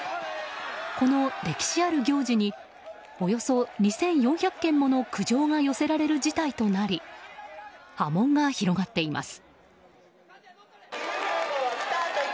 この歴史ある行事におよそ２４００件もの苦情が寄せられる事態となり波紋が広がっています。